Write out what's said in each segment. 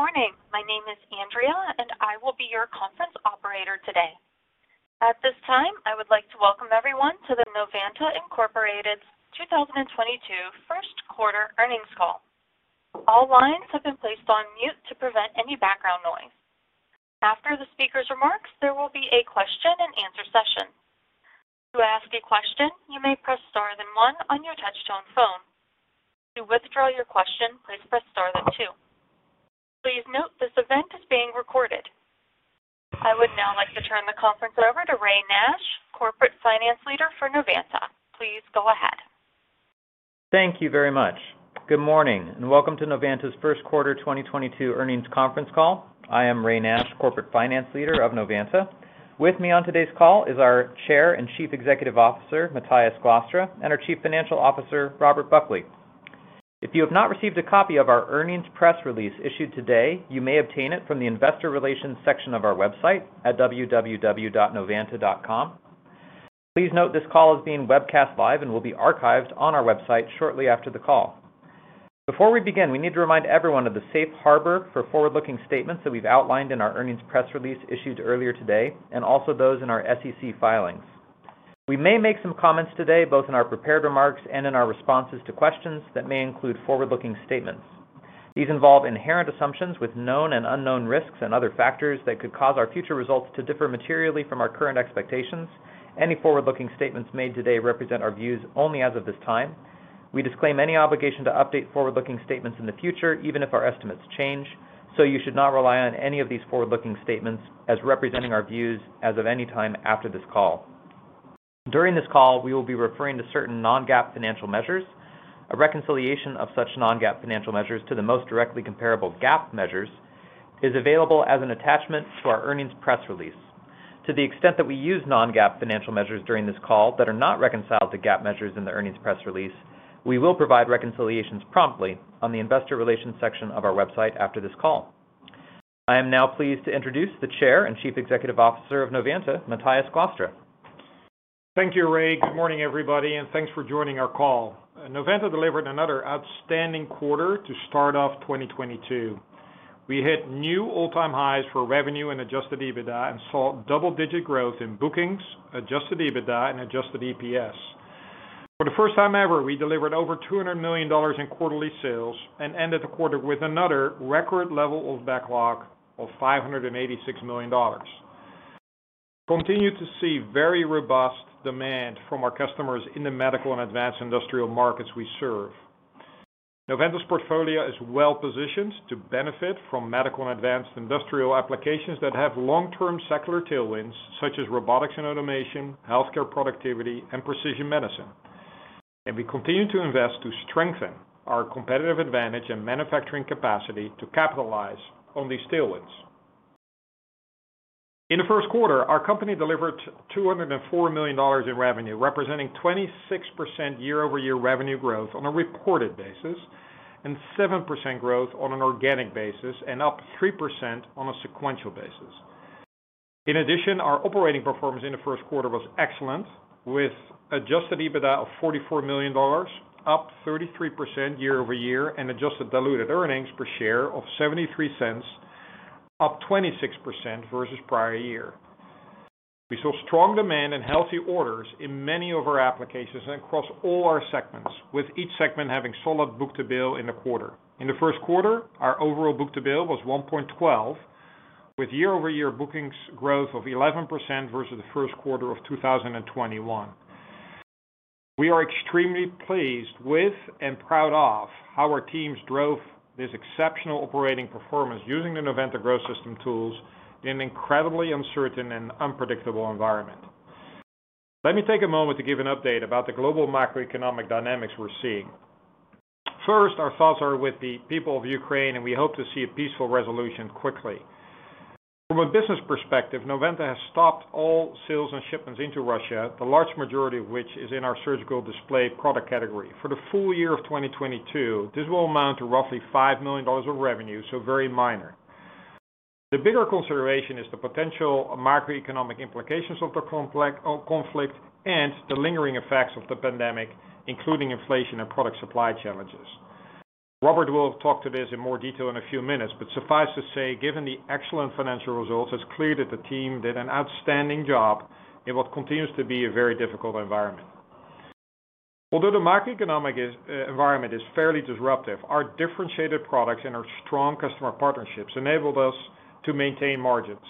Good morning. My name is Andrea, and I will be your conference operator today. At this time, I would like to welcome everyone to the Novanta Inc. 2022 First Quarter Earnings Call. All lines have been placed on mute to prevent any background noise. After the speaker's remarks, there will be a question-and-answer session. To ask a question, you may press star then one on your touch-tone phone. To withdraw your question, please press star then two. Please note this event is being recorded. I would now like to turn the conference over to Ray Nash, Corporate Finance Leader for Novanta. Please go ahead. Thank you very much. Good morning, and welcome to Novanta's First Quarter 2022 Earnings Conference Call. I am Ray Nash, Corporate Finance Leader of Novanta. With me on today's call is our Chair and Chief Executive Officer, Matthijs Glastra, and our Chief Financial Officer, Robert Buckley. If you have not received a copy of our earnings press release issued today, you may obtain it from the investor relations section of our website at www.novanta.com. Please note this call is being webcast live and will be archived on our website shortly after the call. Before we begin, we need to remind everyone of the safe harbor for forward-looking statements that we've outlined in our earnings press release issued earlier today, and also those in our SEC filings. We may make some comments today, both in our prepared remarks and in our responses to questions that may include forward-looking statements. These involve inherent assumptions with known and unknown risks and other factors that could cause our future results to differ materially from our current expectations. Any forward-looking statements made today represent our views only as of this time. We disclaim any obligation to update forward-looking statements in the future, even if our estimates change, so you should not rely on any of these forward-looking statements as representing our views as of any time after this call. During this call, we will be referring to certain non-GAAP financial measures. A reconciliation of such non-GAAP financial measures to the most directly comparable GAAP measures is available as an attachment to our earnings press release. To the extent that we use non-GAAP financial measures during this call that are not reconciled to GAAP measures in the earnings press release, we will provide reconciliations promptly on the investor relations section of our website after this call. I am now pleased to introduce the Chair and Chief Executive Officer of Novanta, Matthijs Glastra. Thank you, Ray. Good morning, everybody, and thanks for joining our call. Novanta delivered another outstanding quarter to start off 2022. We hit new all-time highs for revenue and adjusted EBITDA and saw double-digit growth in bookings, adjusted EBITDA, and adjusted EPS. For the first time ever, we delivered over $200 million in quarterly sales and ended the quarter with another record level of backlog of $586 million. Continue to see very robust demand from our customers in the medical and advanced industrial markets we serve. Novanta's portfolio is well-positioned to benefit from medical and advanced industrial applications that have long-term secular tailwinds, such as robotics and automation, healthcare productivity, and precision medicine. We continue to invest to strengthen our competitive advantage and manufacturing capacity to capitalize on these tailwinds. In the first quarter, our company delivered $204 million in revenue, representing 26% year-over-year revenue growth on a reported basis, and 7% growth on an organic basis, and up 3% on a sequential basis. In addition, our operating performance in the first quarter was excellent, with adjusted EBITDA of $44 million, up 33% year-over-year, and adjusted diluted earnings per share of $0.73, up 26% versus prior year. We saw strong demand and healthy orders in many of our applications and across all our segments, with each segment having solid book-to-bill in the quarter. In the first quarter, our overall book-to-bill was 1.12, with year-over-year bookings growth of 11% versus the first quarter of 2021. We are extremely pleased with and proud of how our teams drove this exceptional operating performance using the Novanta Growth System tools in an incredibly uncertain and unpredictable environment. Let me take a moment to give an update about the global macroeconomic dynamics we're seeing. First, our thoughts are with the people of Ukraine, and we hope to see a peaceful resolution quickly. From a business perspective, Novanta has stopped all sales and shipments into Russia, the large majority of which is in our surgical display product category. For the full year of 2022, this will amount to roughly $5 million of revenue, so very minor. The bigger consideration is the potential macroeconomic implications of the conflict and the lingering effects of the pandemic, including inflation and product supply challenges. Robert will talk to this in more detail in a few minutes, but suffice to say, given the excellent financial results, it's clear that the team did an outstanding job in what continues to be a very difficult environment. Although the macroeconomic environment is fairly disruptive, our differentiated products and our strong customer partnerships enabled us to maintain margins.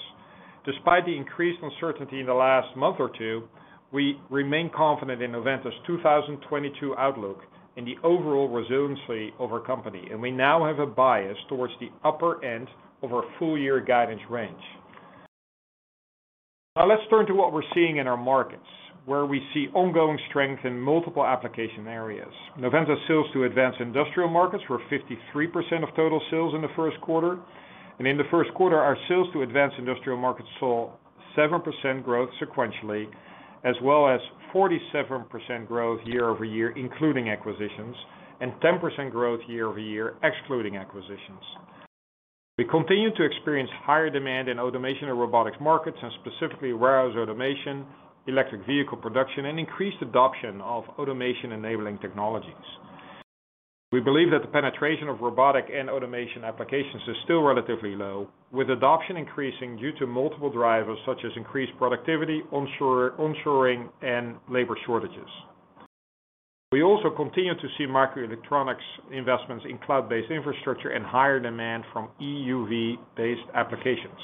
Despite the increased uncertainty in the last month or two, we remain confident in Novanta's 2022 outlook and the overall resiliency of our company, and we now have a bias towards the upper end of our full year guidance range. Now let's turn to what we're seeing in our markets, where we see ongoing strength in multiple application areas. Novanta sales to advanced industrial markets were 53% of total sales in the first quarter. In the first quarter, our sales to advanced industrial markets saw 7% growth sequentially, as well as 47% growth year-over-year, including acquisitions, and 10% growth year-over-year, excluding acquisitions. We continue to experience higher demand in automation and robotics markets, and specifically warehouse automation, electric vehicle production, and increased adoption of automation-enabling technologies. We believe that the penetration of robotic and automation applications is still relatively low, with adoption increasing due to multiple drivers such as increased productivity, onshore, onshoring, and labor shortages. We also continue to see microelectronics investments in cloud-based infrastructure and higher demand from EUV-based applications.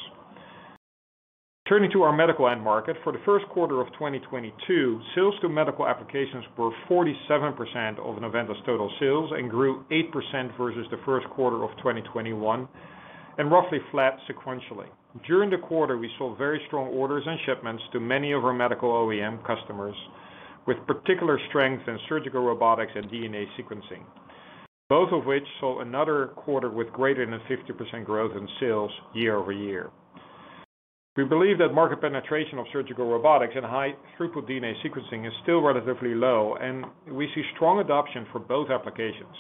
Turning to our medical end market, for the first quarter of 2022, sales to medical applications were 47% of Novanta's total sales and grew 8% versus the first quarter of 2021, and roughly flat sequentially. During the quarter, we saw very strong orders and shipments to many of our medical OEM customers, with particular strength in surgical robotics and DNA sequencing, both of which saw another quarter with greater than 50% growth in sales year-over-year. We believe that market penetration of surgical robotics and high-throughput DNA sequencing is still relatively low, and we see strong adoption for both applications.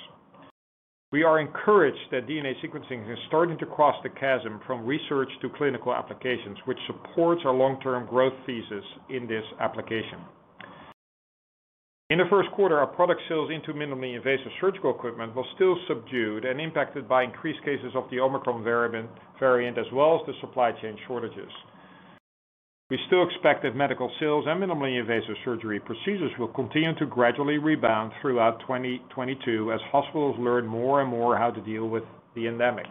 We are encouraged that DNA sequencing is starting to cross the chasm from research to clinical applications, which supports our long-term growth thesis in this application. In the first quarter, our product sales into minimally invasive surgical equipment were still subdued and impacted by increased cases of the Omicron variant, as well as the supply chain shortages. We still expect that medical sales and minimally invasive surgery procedures will continue to gradually rebound throughout 2022 as hospitals learn more and more how to deal with the endemic.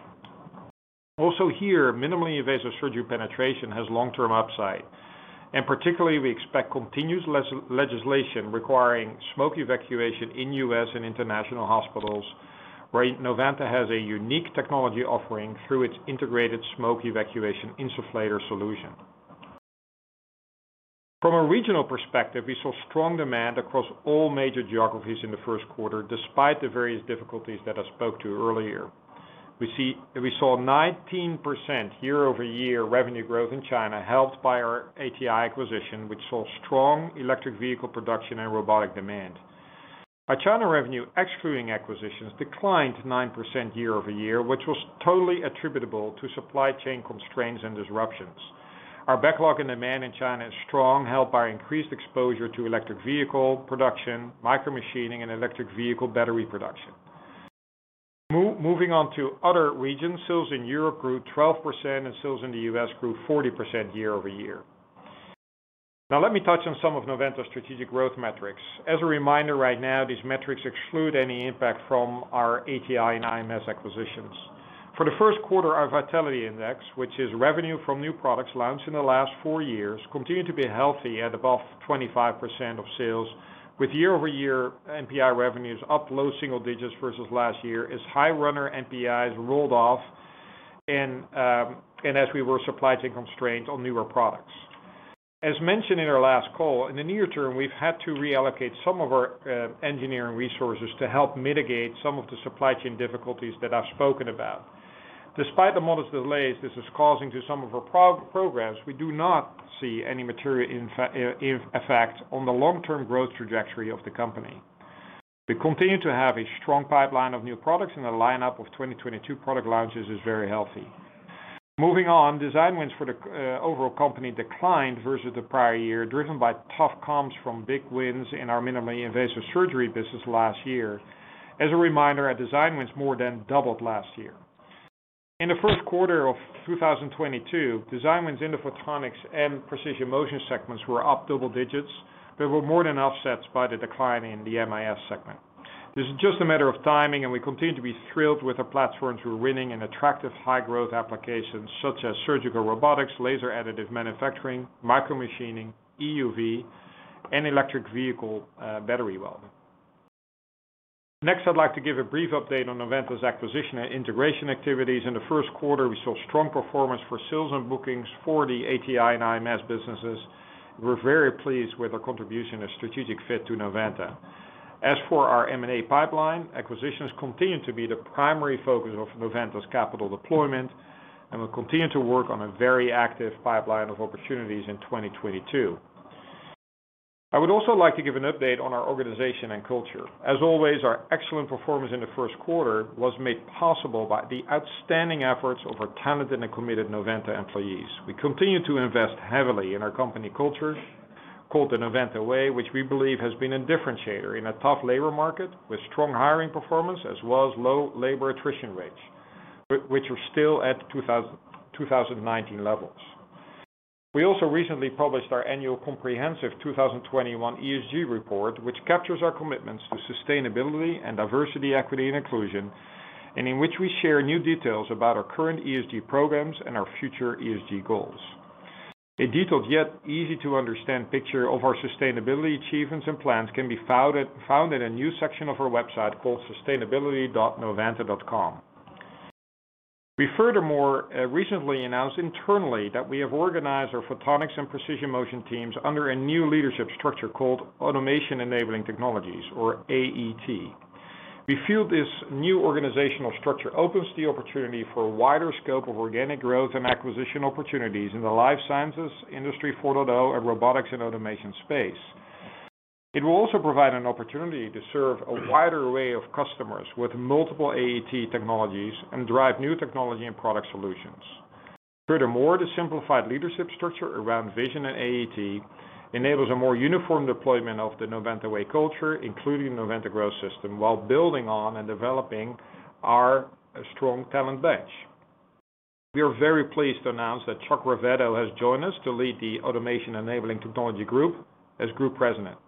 Also here, minimally invasive surgery penetration has long-term upside, and particularly we expect continuous legislation requiring smoke evacuation in U.S. and international hospitals, where Novanta has a unique technology offering through its integrated smoke evacuation insufflator solution. From a regional perspective, we saw strong demand across all major geographies in the first quarter, despite the various difficulties that I spoke to earlier. We saw 19% year-over-year revenue growth in China, helped by our ATI acquisition, which saw strong electric vehicle production and robotic demand. Our China revenue, excluding acquisitions, declined 9% year-over-year, which was totally attributable to supply chain constraints and disruptions. Our backlog and demand in China is strong, helped by increased exposure to electric vehicle production, micromachining, and electric vehicle battery production. Moving on to other regions, sales in Europe grew 12% and sales in the US grew 40% year-over-year. Now let me touch on some of Novanta's strategic growth metrics. As a reminder right now, these metrics exclude any impact from our ATI and IMS acquisitions. For the first quarter, our Vitality Index, which is revenue from new products launched in the last four years, continued to be healthy at above 25% of sales, with year-over-year NPI revenues up low single digits versus last year as high runner NPIs rolled off and as we were supply chain constrained on newer products. As mentioned in our last call, in the near term, we've had to reallocate some of our engineering resources to help mitigate some of the supply chain difficulties that I've spoken about. Despite the modest delays this is causing to some of our programs, we do not see any material effect on the long-term growth trajectory of the company. We continue to have a strong pipeline of new products, and the lineup of 2022 product launches is very healthy. Moving on. Design wins for the overall company declined versus the prior year, driven by tough comps from big wins in our minimally invasive surgery business last year. As a reminder, our design wins more than doubled last year. In the first quarter of 2022, design wins in the Photonics and Precision Motion segments were up double digits, but were more than offset by the decline in the MIS segment. This is just a matter of timing, and we continue to be thrilled with the platforms we're winning in attractive high-growth applications such as surgical robotics, laser additive manufacturing, micromachining, EUV, and electric vehicle battery welding. Next, I'd like to give a brief update on Novanta's acquisition and integration activities. In the first quarter, we saw strong performance for sales and bookings for the ATI and IMS businesses. We're very pleased with their contribution and strategic fit to Novanta. As for our M&A pipeline, acquisitions continue to be the primary focus of Novanta's capital deployment, and we continue to work on a very active pipeline of opportunities in 2022. I would also like to give an update on our organization and culture. As always, our excellent performance in the first quarter was made possible by the outstanding efforts of our talented and committed Novanta employees. We continue to invest heavily in our company culture, called the Novanta Way, which we believe has been a differentiator in a tough labor market, with strong hiring performance as well as low labor attrition rates, which are still at 2019 levels. We also recently published our annual comprehensive 2021 ESG report, which captures our commitments to sustainability and diversity, equity, and inclusion, and in which we share new details about our current ESG programs and our future ESG goals. A detailed, yet easy to understand picture of our sustainability achievements and plans can be found in a new section of our website called sustainability.novanta.com. We furthermore recently announced internally that we have organized our Photonics and Precision Motion teams under a new leadership structure called Automation Enabling Technologies or AET. We feel this new organizational structure opens the opportunity for a wider scope of organic growth and acquisition opportunities in the life sciences, Industry 4.0, and robotics and automation space. It will also provide an opportunity to serve a wider array of customers with multiple AET technologies and drive new technology and product solutions. Furthermore, the simplified leadership structure around Vision and AET enables a more uniform deployment of the Novanta Way culture, including Novanta Growth System, while building on and developing our strong talent bench. We are very pleased to announce that Chuck Ravetto has joined us to lead the Automation Enabling Technologies group as Group President.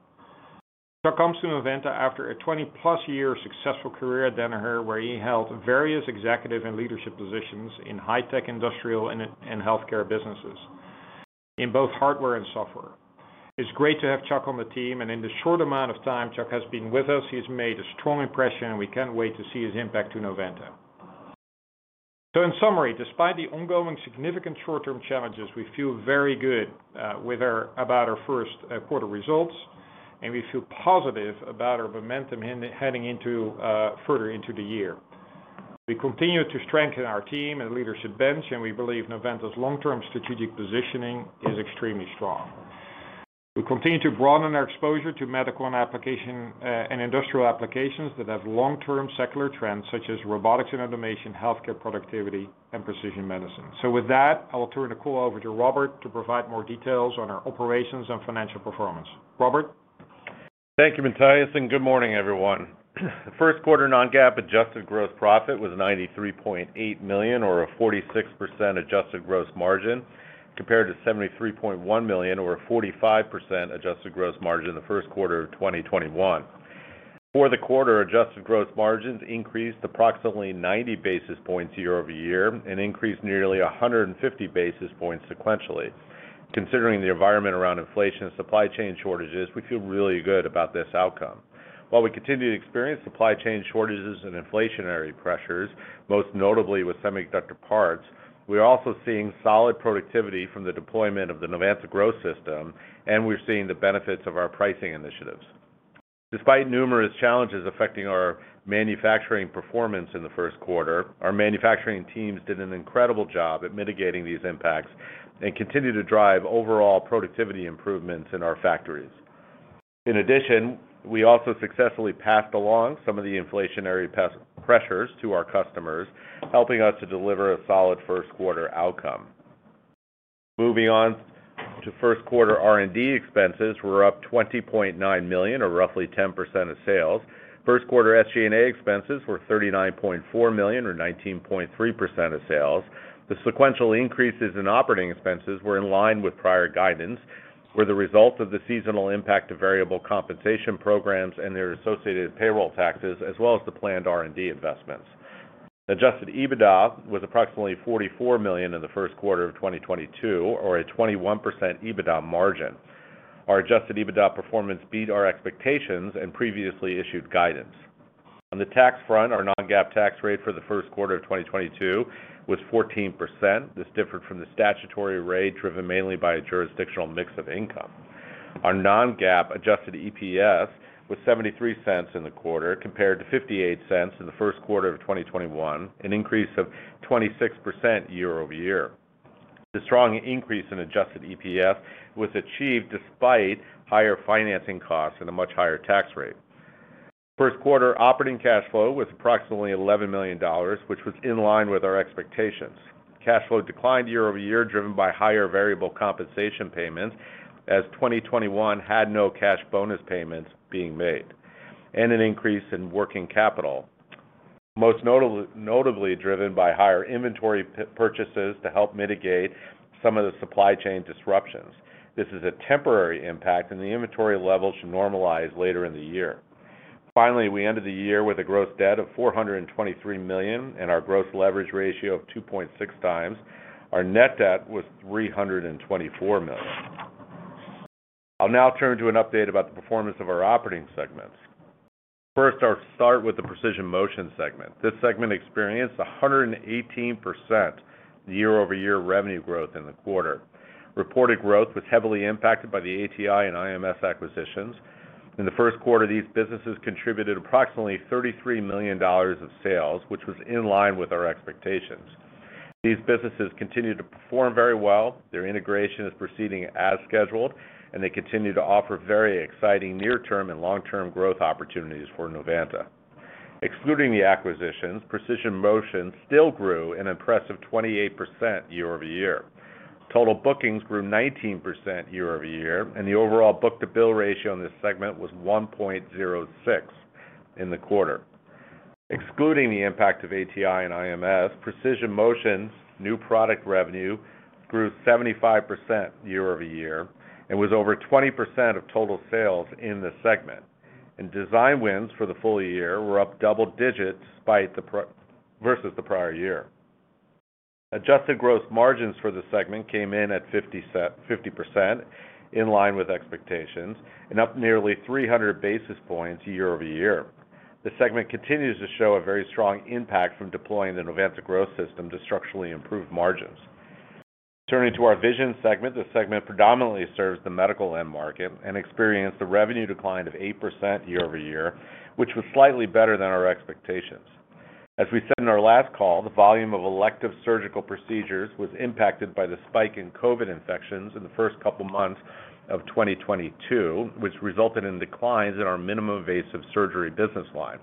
Chuck comes to Novanta after a 20+ year successful career at Danaher, where he held various executive and leadership positions in high-tech, industrial, and in healthcare businesses in both hardware and software. It's great to have Chuck on the team, and in the short amount of time Chuck has been with us, he's made a strong impression, and we can't wait to see his impact to Novanta. In summary, despite the ongoing significant short-term challenges, we feel very good about our first quarter results, and we feel positive about our momentum heading into further into the year. We continue to strengthen our team and leadership bench, and we believe Novanta's long-term strategic positioning is extremely strong. We continue to broaden our exposure to medical and application, and industrial applications that have long-term secular trends, such as robotics and automation, healthcare productivity, and precision medicine. With that, I will turn the call over to Robert to provide more details on our operations and financial performance. Robert? Thank you, Matthijs, and good morning, everyone. First quarter non-GAAP adjusted gross profit was $93.8 million or a 46% adjusted gross margin, compared to $73.1 million or a 45% adjusted gross margin in the first quarter of 2021. For the quarter, adjusted gross margins increased approximately 90 basis points year-over-year and increased nearly 150 basis points sequentially. Considering the environment around inflation and supply chain shortages, we feel really good about this outcome. While we continue to experience supply chain shortages and inflationary pressures, most notably with semiconductor parts, we're also seeing solid productivity from the deployment of the Novanta Growth System, and we're seeing the benefits of our pricing initiatives. Despite numerous challenges affecting our manufacturing performance in the first quarter, our manufacturing teams did an incredible job at mitigating these impacts and continue to drive overall productivity improvements in our factories. In addition, we also successfully passed along some of the inflationary pressures to our customers, helping us to deliver a solid first quarter outcome. Moving on to first quarter R&D expenses were up $20.9 million or roughly 10% of sales. First quarter SG&A expenses were $39.4 million or 19.3% of sales. The sequential increases in operating expenses were in line with prior guidance, were the result of the seasonal impact of variable compensation programs and their associated payroll taxes, as well as the planned R&D investments. Adjusted EBITDA was approximately $44 million in the first quarter of 2022 or a 21% EBITDA margin. Our adjusted EBITDA performance beat our expectations and previously issued guidance. On the tax front, our non-GAAP tax rate for the first quarter of 2022 was 14%. This differed from the statutory rate driven mainly by a jurisdictional mix of income. Our non-GAAP adjusted EPS was $0.73 in the quarter, compared to $0.58 in the first quarter of 2021, an increase of 26% year-over-year. The strong increase in adjusted EPS was achieved despite higher financing costs and a much higher tax rate. First quarter operating cash flow was approximately $11 million, which was in line with our expectations. Cash flow declined year-over-year, driven by higher variable compensation payments as 2021 had no cash bonus payments being made and an increase in working capital, most notably driven by higher inventory purchases to help mitigate some of the supply chain disruptions. This is a temporary impact, and the inventory levels should normalize later in the year. Finally, we ended the year with gross debt of $423 million and our gross leverage ratio of 2.6x. Our net debt was $324 million. I'll now turn to an update about the performance of our operating segments. First, I'll start with the Precision Motion segment. This segment experienced 118% year-over-year revenue growth in the quarter. Reported growth was heavily impacted by the ATI and IMS acquisitions. In the first quarter, these businesses contributed approximately $33 million of sales, which was in line with our expectations. These businesses continue to perform very well. Their integration is proceeding as scheduled, and they continue to offer very exciting near-term and long-term growth opportunities for Novanta. Excluding the acquisitions, Precision Motion still grew an impressive 28% year-over-year. Total bookings grew 19% year-over-year, and the overall book-to-bill ratio on this segment was 1.06 in the quarter. Excluding the impact of ATI and IMS, Precision Motion's new product revenue grew 75% year-over-year and was over 20% of total sales in the segment. Design wins for the full year were up double digits versus the prior year. Adjusted gross margins for the segment came in at 50% in line with expectations and up nearly 300 basis points year-over-year. This segment continues to show a very strong impact from deploying the Novanta Growth System to structurally improve margins. Turning to our Vision segment, this segment predominantly serves the medical end market and experienced a revenue decline of 8% year-over-year, which was slightly better than our expectations. As we said in our last call, the volume of elective surgical procedures was impacted by the spike in COVID infections in the first couple months of 2022, which resulted in declines in our minimally invasive surgery business line.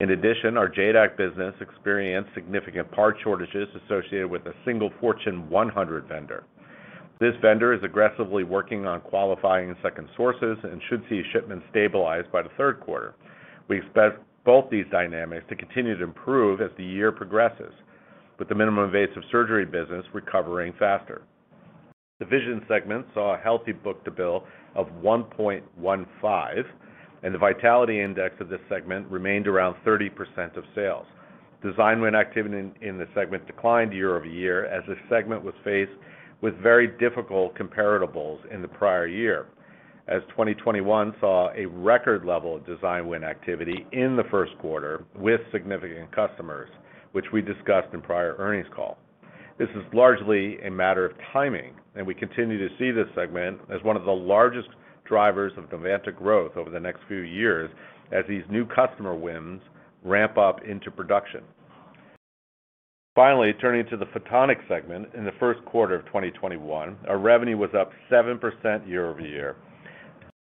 In addition, our JADAK business experienced significant part shortages associated with a single Fortune 100 vendor. This vendor is aggressively working on qualifying second sources and should see shipments stabilized by the third quarter. We expect both these dynamics to continue to improve as the year progresses, with the minimally invasive surgery business recovering faster. The Vision segment saw a healthy book-to-bill of 1.15, and the Vitality Index of this segment remained around 30% of sales. Design win activity in this segment declined year-over-year as this segment was faced with very difficult comparables in the prior year, as 2021 saw a record level of design win activity in the first quarter with significant customers, which we discussed in prior earnings call. This is largely a matter of timing, and we continue to see this segment as one of the largest drivers of Novanta growth over the next few years as these new customer wins ramp up into production. Finally, turning to the Photonics segment. In the first quarter of 2021, our revenue was up 7% year-over-year.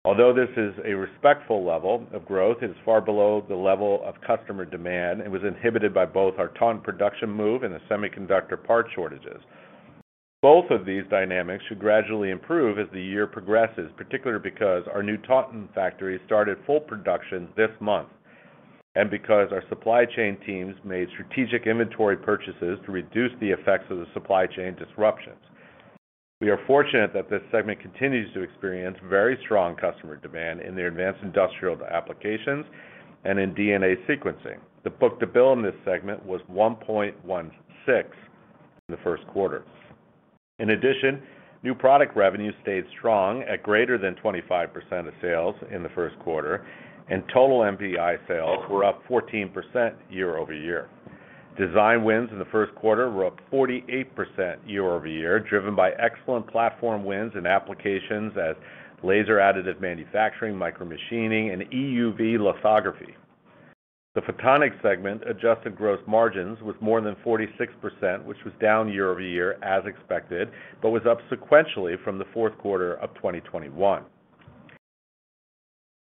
Although this is a respectful level of growth, it is far below the level of customer demand and was inhibited by both our Taunton production move and the semiconductor part shortages. Both of these dynamics should gradually improve as the year progresses, particularly because our new Taunton factory started full production this month, and because our supply chain teams made strategic inventory purchases to reduce the effects of the supply chain disruptions. We are fortunate that this segment continues to experience very strong customer demand in their advanced industrial applications and in DNA sequencing. The book-to-bill in this segment was 1.16 in the first quarter. In addition, new product revenue stayed strong at greater than 25% of sales in the first quarter, and total NPI sales were up 14% year-over-year. Design wins in the first quarter were up 48% year-over-year, driven by excellent platform wins in applications such as laser additive manufacturing, micromachining, and EUV lithography. The Photonics segment adjusted gross margins was more than 46%, which was down year-over-year as expected, but was up sequentially from the fourth quarter of 2021.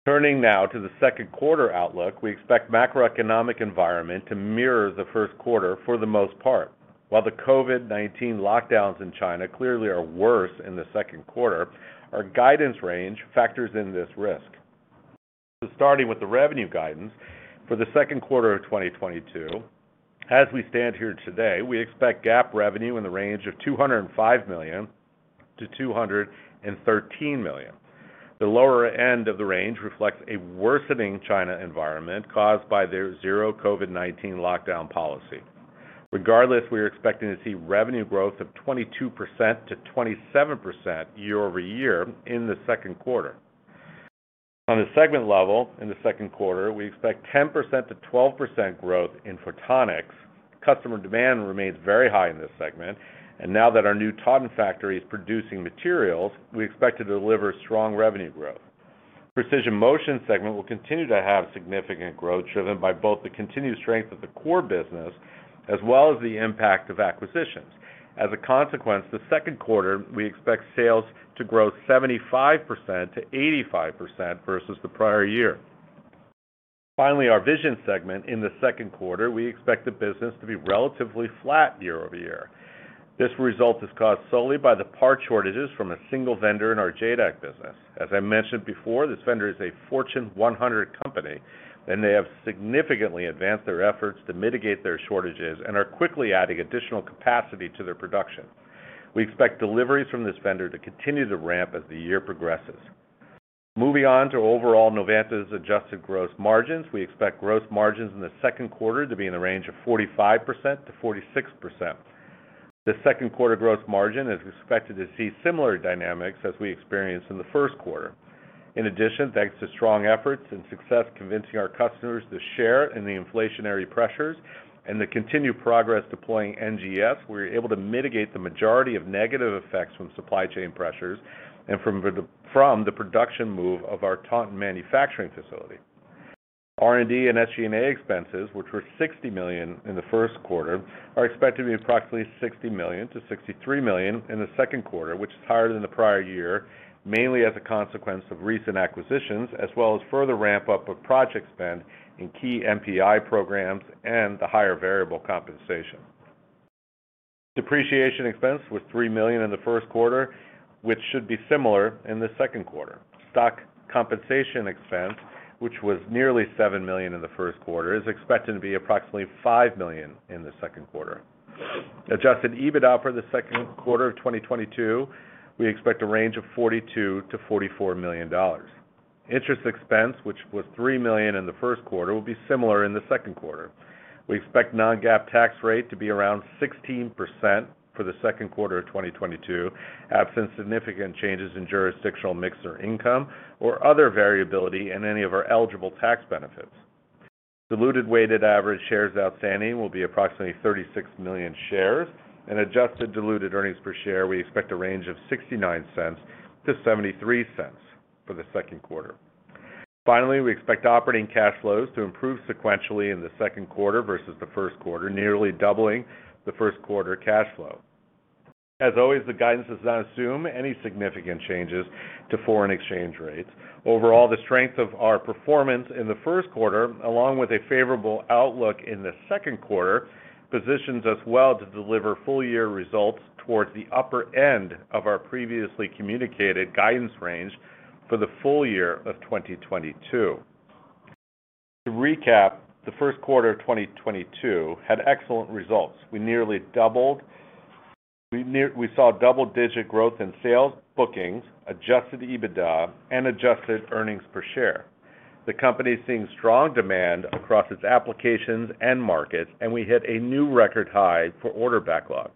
Turning now to the second quarter outlook. We expect macroeconomic environment to mirror the first quarter for the most part. While the COVID-19 lockdowns in China clearly are worse in the second quarter, our guidance range factors in this risk. Starting with the revenue guidance for the second quarter of 2022. As we stand here today, we expect GAAP revenue in the range of $205 million-$213 million. The lower end of the range reflects a worsening China environment caused by their zero COVID-19 lockdown policy. Regardless, we are expecting to see revenue growth of 22%-27% year-over-year in the second quarter. On a segment level, in the second quarter, we expect 10%-12% growth in Photonics. Customer demand remains very high in this segment, and now that our new Taunton factory is producing materials, we expect to deliver strong revenue growth. Precision Motion segment will continue to have significant growth, driven by both the continued strength of the core business as well as the impact of acquisitions. As a consequence, the second quarter, we expect sales to grow 75%-85% versus the prior year. Finally, our Vision segment. In the second quarter, we expect the business to be relatively flat year-over-year. This result is caused solely by the part shortages from a single vendor in our JADAK business. As I mentioned before, this vendor is a Fortune 100 company, and they have significantly advanced their efforts to mitigate their shortages and are quickly adding additional capacity to their production. We expect deliveries from this vendor to continue to ramp as the year progresses. Moving on to overall Novanta's adjusted gross margins. We expect gross margins in the second quarter to be in the range of 45%-46%. The second quarter gross margin is expected to see similar dynamics as we experienced in the first quarter. In addition, thanks to strong efforts and success convincing our customers to share in the inflationary pressures and the continued progress deploying NGS, we were able to mitigate the majority of negative effects from supply chain pressures and from the production move of our Taunton manufacturing facility. R&D and SG&A expenses, which were $60 million in the first quarter, are expected to be approximately $60 million-$63 million in the second quarter, which is higher than the prior year, mainly as a consequence of recent acquisitions, as well as further ramp-up of project spend in key NPI programs and the higher variable compensation. Depreciation expense was $3 million in the first quarter, which should be similar in the second quarter. Stock compensation expense, which was nearly $7 million in the first quarter, is expected to be approximately $5 million in the second quarter. Adjusted EBITDA for the second quarter of 2022, we expect a range of $42 million-$44 million. Interest expense, which was $3 million in the first quarter, will be similar in the second quarter. We expect non-GAAP tax rate to be around 16% for the second quarter of 2022, absent significant changes in jurisdictional mix or income or other variability in any of our eligible tax benefits. Diluted weighted average shares outstanding will be approximately 36 million shares, and adjusted diluted earnings per share, we expect a range of $0.69-$0.73 for the second quarter. Finally, we expect operating cash flows to improve sequentially in the second quarter versus the first quarter, nearly doubling the first quarter cash flow. As always, the guidance does not assume any significant changes to foreign exchange rates. Overall, the strength of our performance in the first quarter, along with a favorable outlook in the second quarter, positions us well to deliver full-year results towards the upper end of our previously communicated guidance range for the full year of 2022. To recap, the first quarter of 2022 had excellent results. We saw double-digit growth in sales, bookings, adjusted EBITDA, and adjusted earnings per share. The company is seeing strong demand across its applications and markets, and we hit a new record high for order backlog.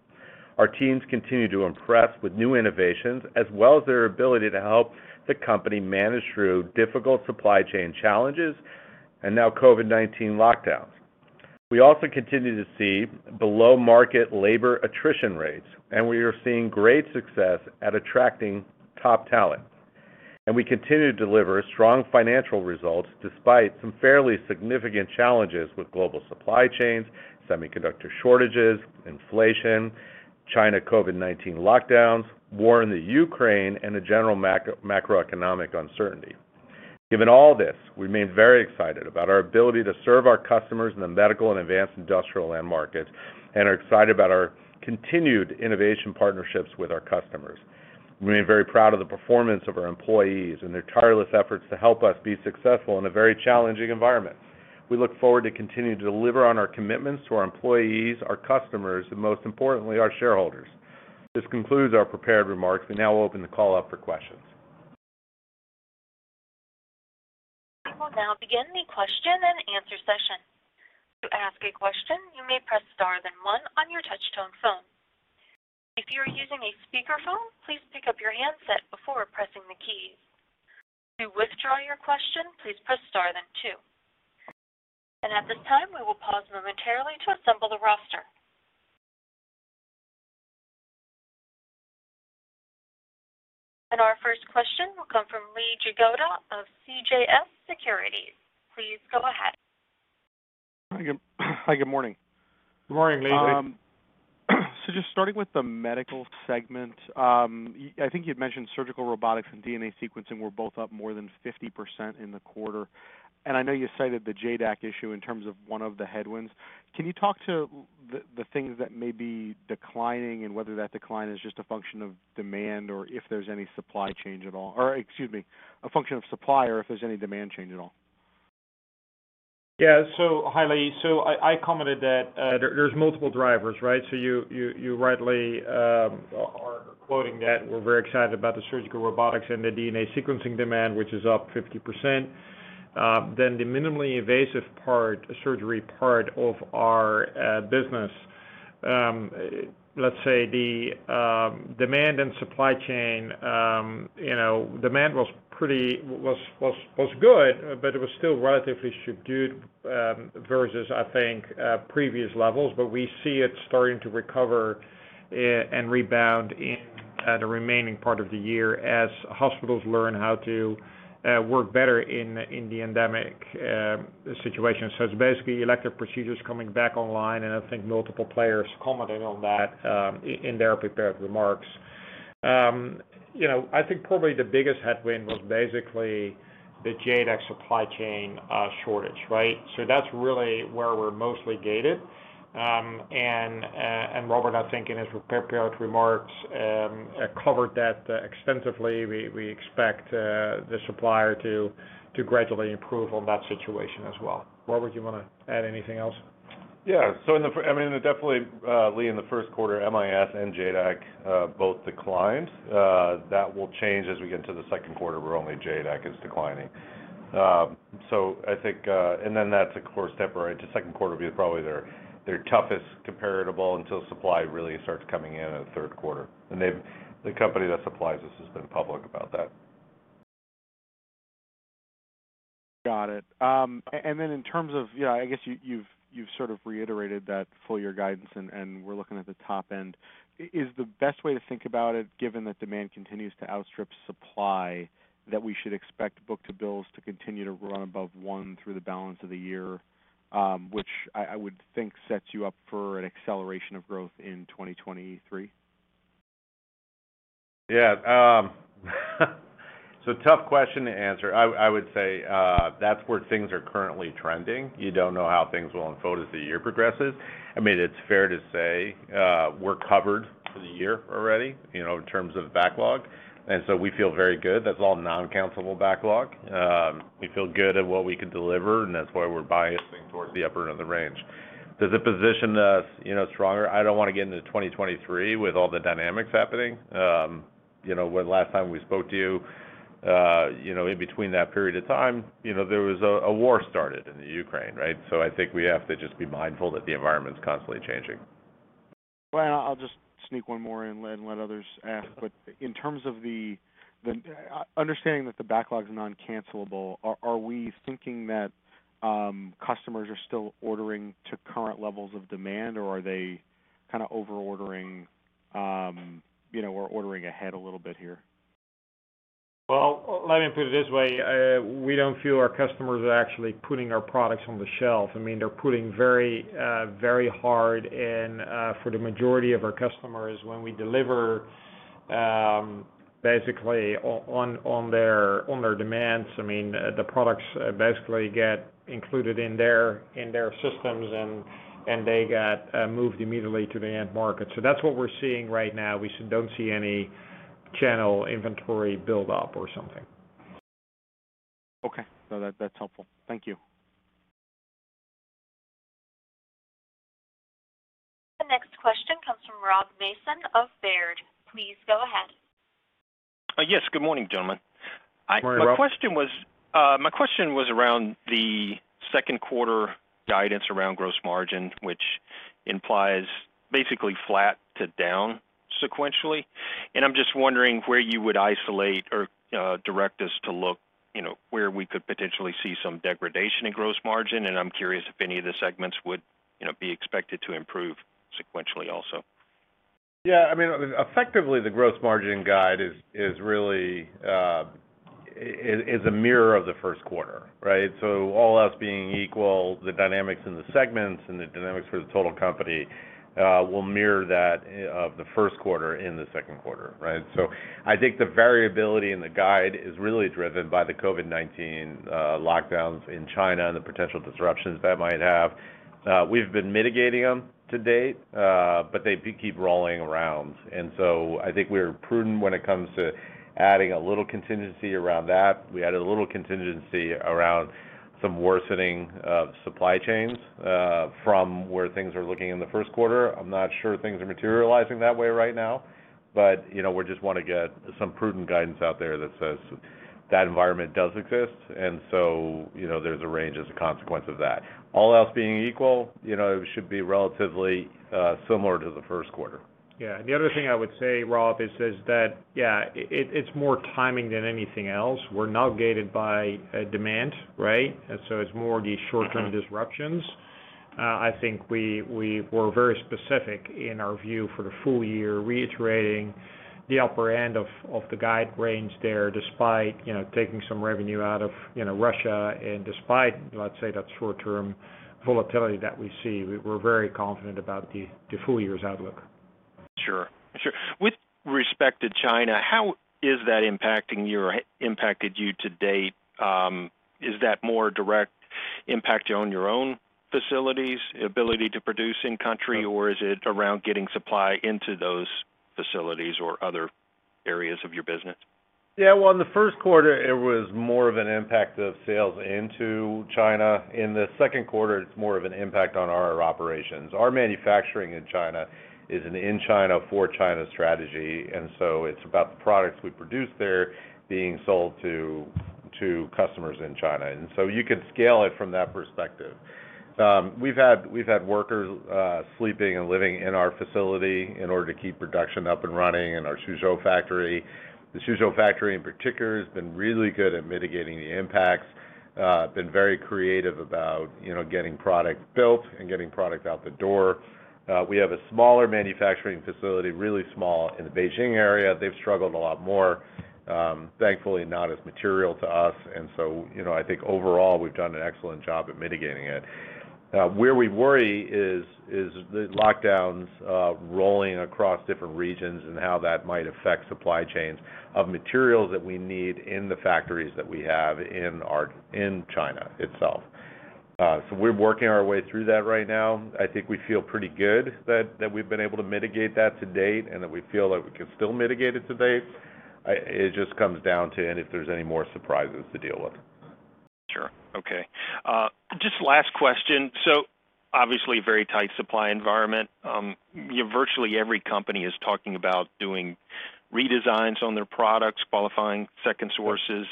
Our teams continue to impress with new innovations as well as their ability to help the company manage through difficult supply chain challenges and now COVID-19 lockdowns. We also continue to see below-market labor attrition rates, and we are seeing great success at attracting top talent. We continue to deliver strong financial results despite some fairly significant challenges with global supply chains, semiconductor shortages, inflation, China COVID-19 lockdowns, war in the Ukraine, and the general macroeconomic uncertainty. Given all this, we remain very excited about our ability to serve our customers in the medical and advanced industrial end markets and are excited about our continued innovation partnerships with our customers. We remain very proud of the performance of our employees and their tireless efforts to help us be successful in a very challenging environment. We look forward to continuing to deliver on our commitments to our employees, our customers, and most importantly, our shareholders. This concludes our prepared remarks. We now open the call up for questions. We will now begin the question-and-answer session. To ask a question, you may press star then one on your touchtone phone. If you are using a speakerphone, please pick up your handset before pressing the keys. To withdraw your question, please press star then two. At this time, we will pause momentarily to assemble the roster. Our first question will come from Lee Jagoda of CJS Securities. Please go ahead. Hi, good morning. Good morning, Lee. Just starting with the medical segment, I think you'd mentioned surgical robotics and DNA sequencing were both up more than 50% in the quarter. I know you cited the JADAK issue in terms of one of the headwinds. Can you talk to the things that may be declining and whether that decline is just a function of demand or if there's any supply change at all? Or excuse me, a function of supply or if there's any demand change at all? Yeah. Hi, Lee. I commented that there's multiple drivers, right? You rightly are quoting that we're very excited about the surgical robotics and the DNA sequencing demand, which is up 50%. Then the minimally invasive part, surgery part of our business, let's say the demand and supply chain, you know, demand was pretty good, but it was still relatively subdued versus, I think, previous levels. We see it starting to recover and rebound in the remaining part of the year as hospitals learn how to work better in the endemic situation. It's basically elective procedures coming back online, and I think multiple players commented on that in their prepared remarks. You know, I think probably the biggest headwind was basically the JADAK supply chain shortage, right? So that's really where we're mostly gated. Robert, I think in his prepared remarks covered that extensively. We expect the supplier to gradually improve on that situation as well. Robert, do you wanna add anything else? Yeah. I mean, definitely, Lee, in the first quarter, IMS and JADAK both declined. That will change as we get into the second quarter, where only JADAK is declining. So I think and then that's of course temporary. The second quarter will be probably their toughest comparable until supply really starts coming in in the third quarter. The company that supplies us has been public about that. Got it. In terms of, you know, I guess you've sort of reiterated that full year guidance and we're looking at the top end. Is the best way to think about it, given that demand continues to outstrip supply, that we should expect book-to-bill to continue to run above one through the balance of the year, which I would think sets you up for an acceleration of growth in 2023? Yeah. Tough question to answer. I would say, that's where things are currently trending. You don't know how things will unfold as the year progresses. I mean, it's fair to say, we're covered for the year already, you know, in terms of backlog, and so we feel very good. That's all non-cancelable backlog. We feel good at what we can deliver, and that's why we're biasing towards the upper end of the range. Does it position us, you know, stronger? I don't wanna get into 2023 with all the dynamics happening. You know, when the last time we spoke to you know, in between that period of time, you know, there was a war started in Ukraine, right? I think we have to just be mindful that the environment's constantly changing. Well, I'll just sneak one more in and let others ask. In terms of the understanding that the backlog's non-cancelable, are we thinking that customers are still ordering to current levels of demand, or are they kinda over-ordering, you know, or ordering ahead a little bit here? Well, let me put it this way. We don't feel our customers are actually putting our products on the shelf. I mean, they're pushing very hard and for the majority of our customers when we deliver, basically on their demands. I mean, the products basically get included in their systems and they got moved immediately to the end market. That's what we're seeing right now. We don't see any channel inventory build up or something. Okay. No, that's helpful. Thank you. The next question comes from Rob Mason of Baird. Please go ahead. Yes. Good morning, gentlemen. Good morning, Rob. My question was around the second quarter guidance around gross margin, which implies basically flat to down sequentially. I'm just wondering where you would isolate or direct us to look, you know, where we could potentially see some degradation in gross margin, and I'm curious if any of the segments would, you know, be expected to improve sequentially also. Yeah. I mean, effectively, the gross margin guide is really a mirror of the first quarter, right? So all else being equal, the dynamics in the segments and the dynamics for the total company will mirror that of the first quarter in the second quarter, right? So I think the variability in the guide is really driven by the COVID-19 lockdowns in China and the potential disruptions that might have. We've been mitigating them to date, but they do keep rolling around. I think we're prudent when it comes to adding a little contingency around that. We added a little contingency around some worsening of supply chains from where things are looking in the first quarter. I'm not sure things are materializing that way right now, but, you know, we just wanna get some prudent guidance out there that says that environment does exist. You know, there's a range as a consequence of that. All else being equal, you know, it should be relatively similar to the first quarter. Yeah. The other thing I would say, Rob, is that, yeah, it's more timing than anything else. We're now gated by demand, right? It's more the short-term disruptions. I think we were very specific in our view for the full year, reiterating the upper end of the guide range there despite, you know, taking some revenue out of, you know, Russia and despite, let's say that short-term volatility that we see. We're very confident about the full year's outlook. Sure. Sure. With respect to China, how is that impacted you to date? Is that more direct impact on your own facilities, ability to produce in country, or is it around getting supply into those facilities or other areas of your business? Yeah. Well, in the first quarter, it was more of an impact of sales into China. In the second quarter, it's more of an impact on our operations. Our manufacturing in China is an in China for China strategy, and so it's about the products we produce there being sold to customers in China. You can scale it from that perspective. We've had workers sleeping and living in our facility in order to keep production up and running in our Suzhou factory. The Suzhou factory in particular has been really good at mitigating the impacts, been very creative about, you know, getting product built and getting product out the door. We have a smaller manufacturing facility, really small in the Beijing area. They've struggled a lot more, thankfully not as material to us. You know, I think overall, we've done an excellent job at mitigating it. Where we worry is the lockdowns rolling across different regions and how that might affect supply chains of materials that we need in the factories that we have in China itself. We're working our way through that right now. I think we feel pretty good that we've been able to mitigate that to date and that we feel like we can still mitigate it to date. It just comes down to if there's any more surprises to deal with. Sure. Okay. Just last question. So obviously very tight supply environment. Virtually every company is talking about doing redesigns on their products, qualifying second sources,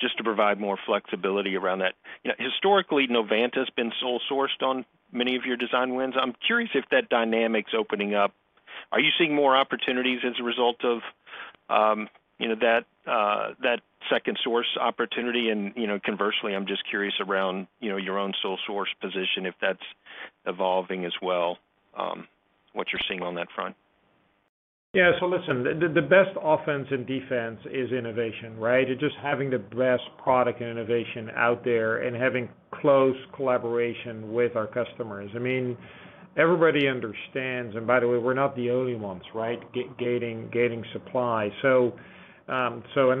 just to provide more flexibility around that. Historically, Novanta has been sole sourced on many of your design wins. I'm curious if that dynamic's opening up. Are you seeing more opportunities as a result of, you know, that second source opportunity? You know, conversely, I'm just curious around, you know, your own sole source position, if that's evolving as well, what you're seeing on that front. Yeah. Listen, the best offense and defense is innovation, right? Just having the best product and innovation out there and having close collaboration with our customers. I mean, everybody understands, and by the way, we're not the only ones, right? Gating supply.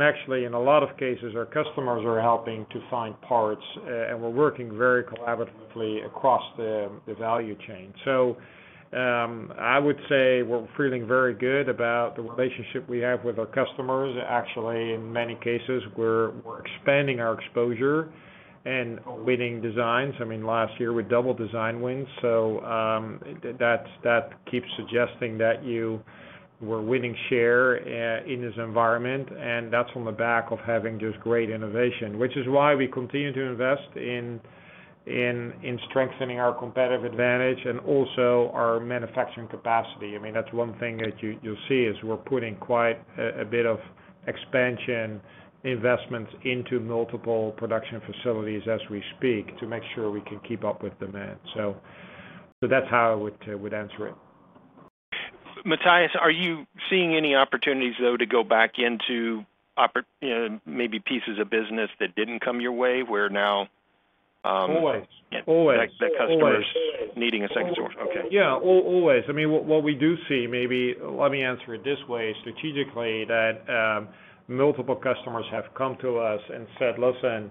Actually, in a lot of cases, our customers are helping to find parts, and we're working very collaboratively across the value chain. I would say we're feeling very good about the relationship we have with our customers. Actually, in many cases, we're expanding our exposure and winning designs. I mean, last year, we doubled design wins. That keeps suggesting that you were winning share in this environment, and that's on the back of having just great innovation, which is why we continue to invest in strengthening our competitive advantage and also our manufacturing capacity. I mean, that's one thing that you'll see is we're putting quite a bit of expansion investments into multiple production facilities as we speak to make sure we can keep up with demand. That's how I would answer it. Matthijs, are you seeing any opportunities though to go back into, maybe pieces of business that didn't come your way where now? Always. Yeah. Always. Like, the customers needing a second source. Okay. Yeah. Always. I mean, what we do see, maybe let me answer it this way strategically, that multiple customers have come to us and said, "Listen,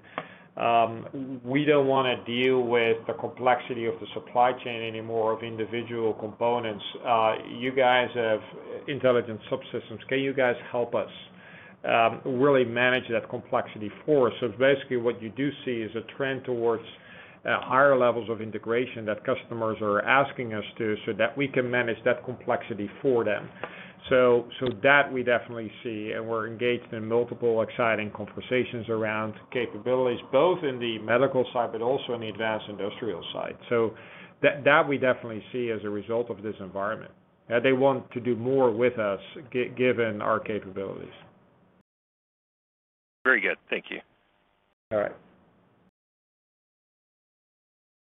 we don't wanna deal with the complexity of the supply chain anymore of individual components. You guys have intelligent subsystems. Can you guys help us really manage that complexity for us?" So basically what you do see is a trend towards higher levels of integration that customers are asking us to so that we can manage that complexity for them. So that we definitely see, and we're engaged in multiple exciting conversations around capabilities, both in the medical side but also in the advanced industrial side. So that we definitely see as a result of this environment, that they want to do more with us given our capabilities. Very good. Thank you. All right.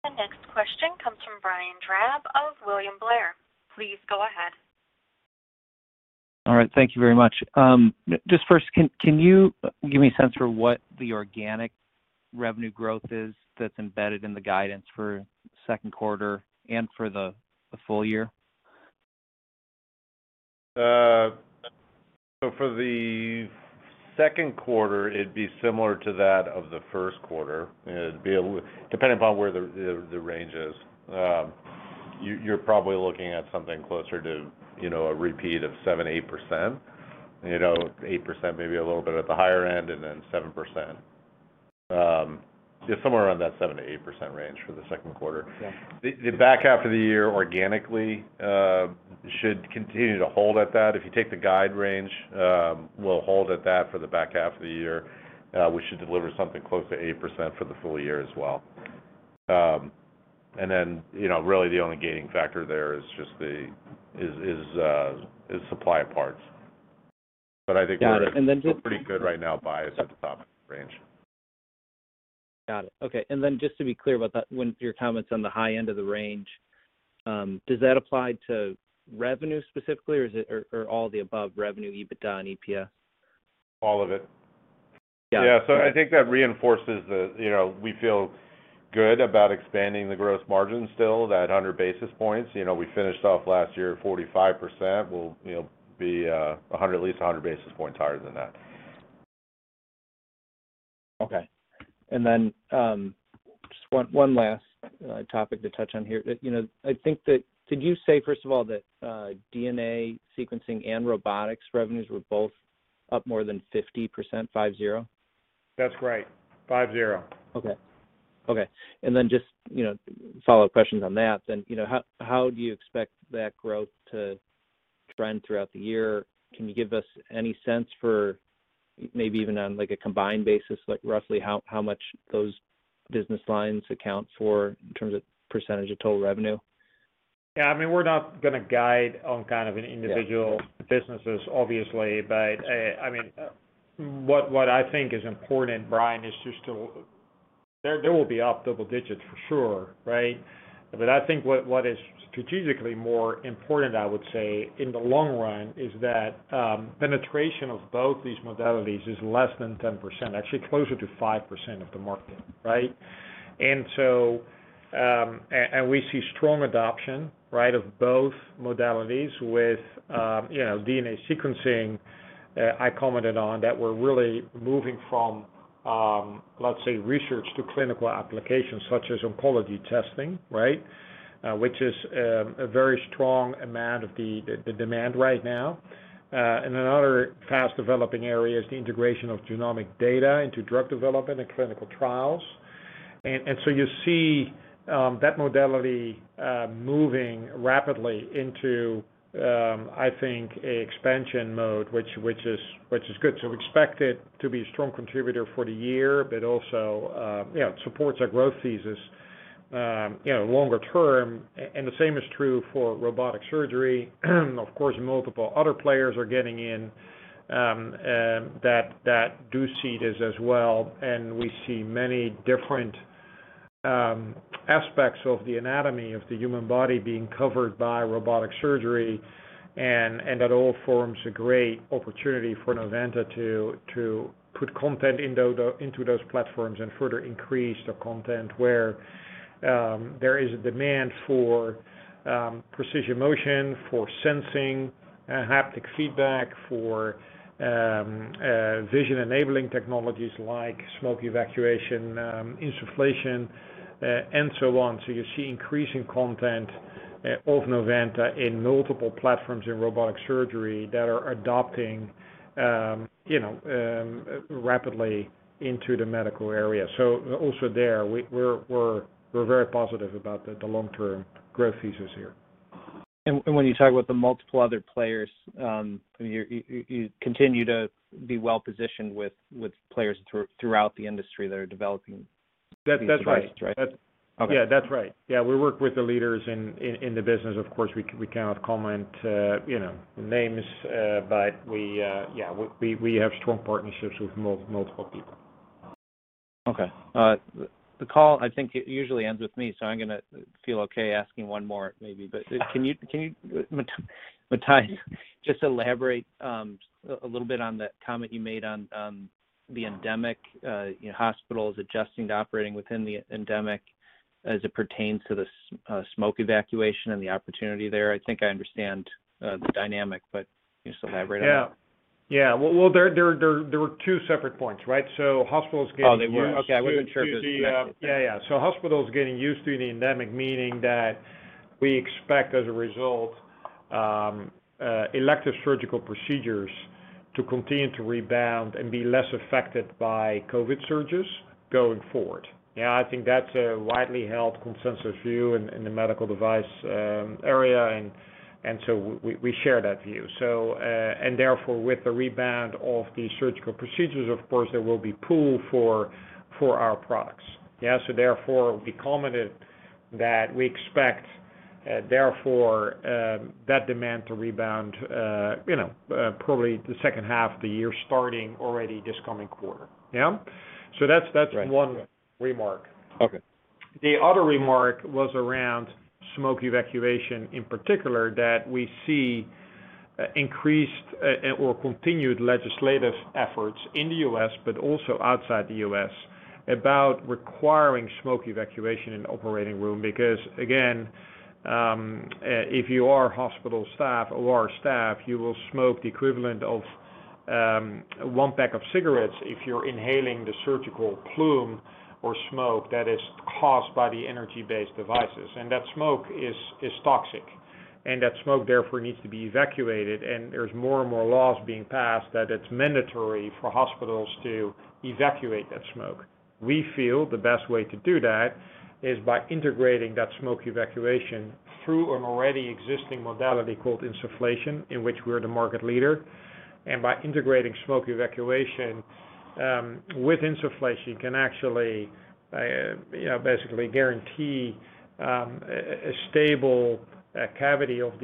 The next question comes from Brian Drab of William Blair. Please go ahead. All right. Thank you very much. Just first, can you give me a sense for what the organic revenue growth is that's embedded in the guidance for second quarter and for the full year? For the second quarter, it'd be similar to that of the first quarter. It'd be depending upon where the range is, you're probably looking at something closer to, you know, a repeat of 7%, 8%. You know, 8% maybe a little bit at the higher end and then 7%. Somewhere around that 7%-8% range for the second quarter. Yeah. The back half of the year organically should continue to hold at that. If you take the guide range, we'll hold at that for the back half of the year. We should deliver something close to 8% for the full year as well. Then, you know, really the only gaining factor there is just the is supply of parts. I think we're. Got it. Feel pretty good right now bias at the top range. Got it. Okay. Just to be clear about that, when your comments on the high end of the range, does that apply to revenue specifically or is it, or all the above revenue, EBITDA and EPS? All of it. Yeah. Yeah. I think that reinforces that, you know, we feel good about expanding the gross margin still that 100 basis points. You know, we finished off last year 45%. We'll, you know, be 100, at least 100 basis points higher than that. Okay. Then, just one last topic to touch on here. You know, I think that. Did you say first of all that DNA sequencing and robotics revenues were both up more than 50%, 50? That's right. 50. Okay. Just, you know, follow up questions on that then. You know, how do you expect that growth to trend throughout the year? Can you give us any sense for maybe even on like a combined basis, like roughly how much those business lines account for in terms of percentage of total revenue? Yeah. I mean, we're not gonna guide on kind of an individual businesses obviously. I mean, what I think is important, Brian, is there will be up double digits for sure, right? I think what is strategically more important, I would say in the long run is that penetration of both these modalities is less than 10%, actually closer to 5% of the market, right? We see strong adoption, right, of both modalities with you know, DNA sequencing. I commented on that we're really moving from let's say research to clinical applications such as oncology testing, right? Which is a very strong amount of the demand right now. Another fast developing area is the integration of genomic data into drug development and clinical trials. So you see that modality moving rapidly into, I think, an expansion mode which is good. We expect it to be a strong contributor for the year, but also, you know, supports our growth thesis, you know, longer term. The same is true for robotic surgery. Of course, multiple other players are getting in, that do see this as well. We see many different aspects of the anatomy of the human body being covered by robotic surgery. That all forms a great opportunity for Novanta to put content into those platforms and further increase the content where there is a demand for Precision Motion, for sensing and haptic feedback, for vision enabling technologies like smoke evacuation, insufflation, and so on. You see increasing content of Novanta in multiple platforms in robotic surgery that are adopting rapidly into the medical area. Also there we're very positive about the long-term growth thesis here. when you talk about the multiple other players, I mean, you continue to be well positioned with players throughout the industry that are developing these devices, right? That's right. Okay. Yeah, that's right. Yeah, we work with the leaders in the business. Of course, we cannot comment, you know, names, but yeah, we have strong partnerships with multiple people. Okay. The call, I think it usually ends with me, so I'm gonna feel okay asking one more maybe. Can you, Matthijs, just elaborate a little bit on the comment you made on the endemic, you know, hospitals adjusting to operating within the endemic as it pertains to the smoke evacuation and the opportunity there. I think I understand the dynamic, but can you just elaborate on that? Yeah. Well, there were two separate points, right? Hospitals getting used- Oh, there was. Okay. I wasn't sure if it was connected. Hospitals getting used to the endemic, meaning that we expect as a result, elective surgical procedures to continue to rebound and be less affected by COVID surges going forward. I think that's a widely held consensus view in the medical device area. We share that view. Therefore, with the rebound of the surgical procedures, of course, there will be pull for our products. Therefore, we commented that we expect that demand to rebound, you know, probably the second half of the year starting already this coming quarter. That's one- Right ...remark. Okay. The other remark was around smoke evacuation, in particular, that we see increased or continued legislative efforts in the U.S., but also outside the U.S. about requiring smoke evacuation in operating room. Because again, if you are hospital staff or our staff, you will smoke the equivalent of one pack of cigarettes if you're inhaling the surgical plume or smoke that is caused by the energy-based devices. That smoke is toxic, and that smoke therefore needs to be evacuated. There's more and more laws being passed that it's mandatory for hospitals to evacuate that smoke. We feel the best way to do that is by integrating that smoke evacuation through an already existing modality called insufflation, in which we're the market leader. By integrating smoke evacuation with insufflation can actually you know basically guarantee a stable cavity of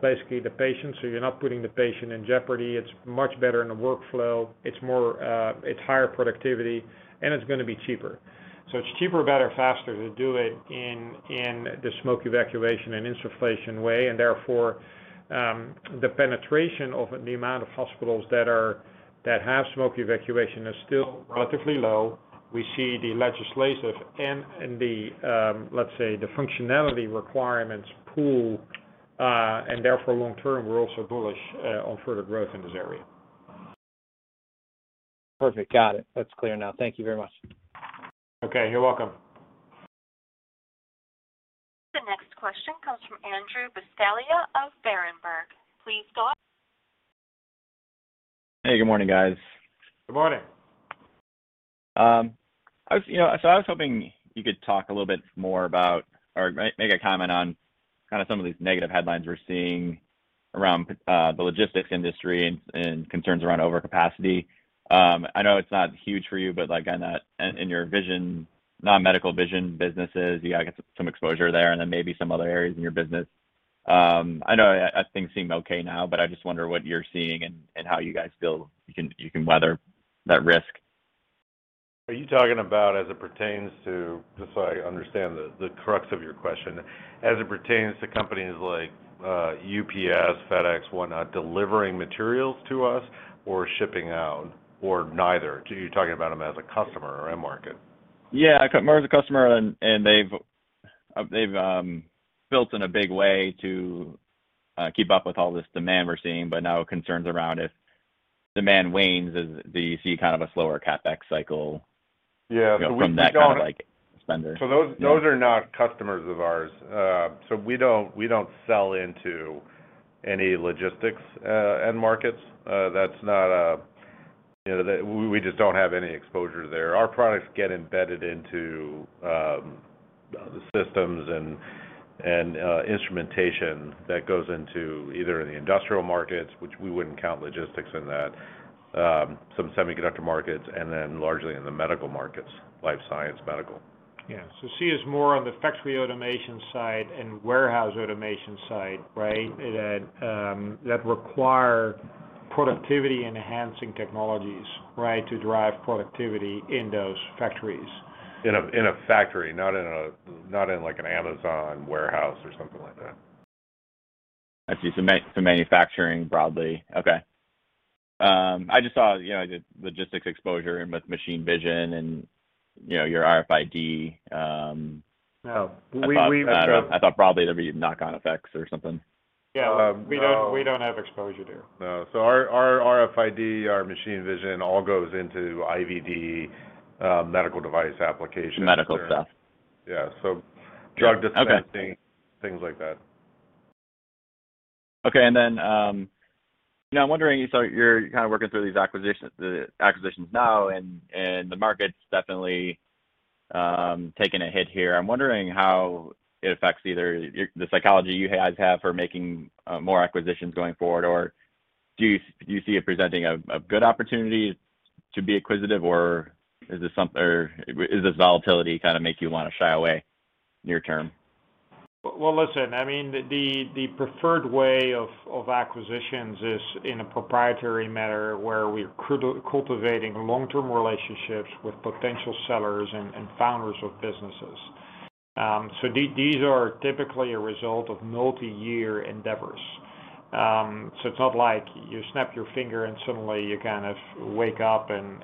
basically the patient, so you're not putting the patient in jeopardy. It's much better in the workflow. It's more, it's higher productivity, and it's gonna be cheaper. It's cheaper, better, faster to do it in the smoke evacuation and insufflation way. Therefore, the penetration of the amount of hospitals that have smoke evacuation is still relatively low. We see the legislative and the let's say the functionality requirements pool, and therefore long term, we're also bullish on further growth in this area. Perfect. Got it. That's clear now. Thank you very much. Okay. You're welcome. The next question comes from Andrew Buscaglia of Berenberg. Hey, good morning, guys. Good morning. I was, you know, I was hoping you could talk a little bit more about or make a comment on kinda some of these negative headlines we're seeing around the logistics industry and concerns around overcapacity. I know it's not huge for you, but like in your Vision, non-medical Vision businesses, you gotta get some exposure there and then maybe some other areas in your business. I know as things seem okay now, but I just wonder what you're seeing and how you guys feel you can weather that risk. Are you talking about as it pertains to, just so I understand the crux of your question, as it pertains to companies like, UPS, FedEx, whatnot, delivering materials to us or shipping out, or neither? You're talking about them as a customer or end market? Yeah. Cummins as a customer and they've built in a big way to keep up with all this demand we're seeing. Now concerns around if demand wanes, do you see kind of a slower CapEx cycle? Yeah. We don't. you know, from that kind of like spend there? Yeah. Those are not customers of ours. We don't sell into any logistics end markets. That's not a you know. We just don't have any exposure there. Our products get embedded into the systems and instrumentation that goes into either in the industrial markets, which we wouldn't count logistics in that, some semiconductor markets, and then largely in the medical markets, life science, medical. Yeah. See as more on the factory automation side and warehouse automation side, right? That require productivity enhancing technologies, right? To drive productivity in those factories. In a factory, not in like an Amazon warehouse or something like that. I see. Manufacturing broadly. Okay. I just saw, you know, the logistics exposure with machine Vision and, you know, your RFID. Oh, we. I thought probably there'd be knock-on effects or something. Yeah. No. We don't have exposure there. No. Our RFID, our machine Vision all goes into IVD, medical device applications. Medical stuff. Yeah. Drug dispensing- Okay things like that. Okay. Now I'm wondering, so you're kinda working through these acquisitions now and the market's definitely taking a hit here. I'm wondering how it affects the psychology you guys have for making more acquisitions going forward. Or do you see it presenting a good opportunity to be acquisitive, or is this volatility kinda make you wanna shy away near term? Well, listen, I mean, the preferred way of acquisitions is in a proprietary manner where we're cultivating long-term relationships with potential sellers and founders of businesses. These are typically a result of multi-year endeavors. It's not like you snap your finger and suddenly you kind of wake up and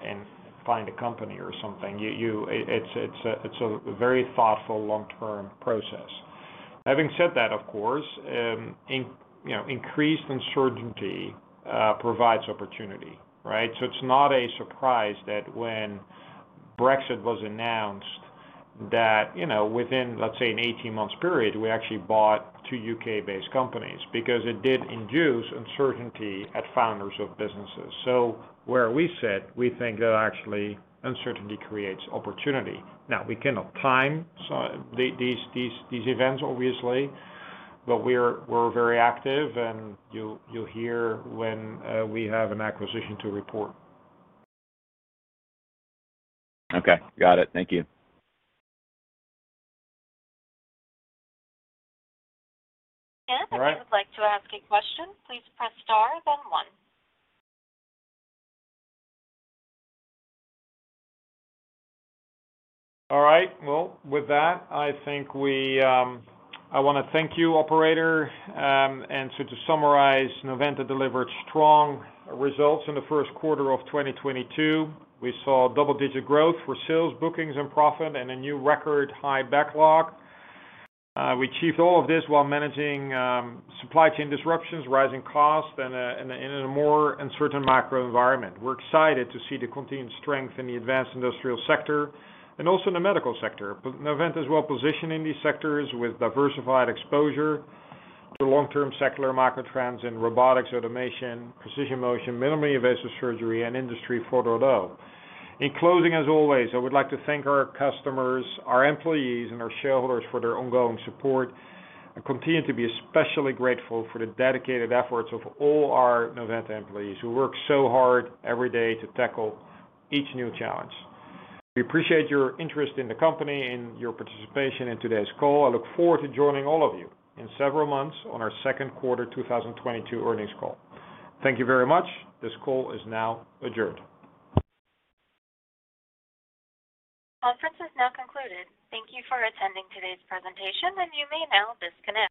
find a company or something. It is a very thoughtful long-term process. Having said that, of course, you know, increased uncertainty provides opportunity, right? It's not a surprise that when Brexit was announced, you know, within, let's say, an 18-month period, we actually bought two U.K.-based companies because it did induce uncertainty at founders of businesses. Where we sit, we think that actually uncertainty creates opportunity. Now, we cannot time these events, obviously, but we're very active, and you'll hear when we have an acquisition to report. Okay. Got it. Thank you. Again, if you would like to ask a question, please press star then one. All right. Well, with that, I wanna thank you, operator. To summarize, Novanta delivered strong results in the first quarter of 2022. We saw double-digit growth for sales, bookings, and profit, and a new record high backlog. We achieved all of this while managing supply chain disruptions, rising costs, and in a more uncertain macro environment. We're excited to see the continued strength in the advanced industrial sector and also in the medical sector. Novanta is well-positioned in these sectors with diversified exposure to long-term secular macro trends in robotics, automation, precision motion, minimally invasive surgery, and Industry 4.0. In closing, as always, I would like to thank our customers, our employees, and our shareholders for their ongoing support and continue to be especially grateful for the dedicated efforts of all our Novanta employees who work so hard every day to tackle each new challenge. We appreciate your interest in the company and your participation in today's call. I look forward to joining all of you in several months on our Second Quarter 2022 Earnings Call. Thank you very much. This call is now adjourned. Conference is now concluded. Thank you for attending today's presentation, and you may now disconnect.